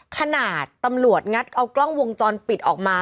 ขนาดตำรวจงัดเอากล้องวงจรปิดออกมา